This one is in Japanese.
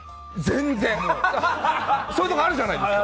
全然、そういうとこあるじゃないですか。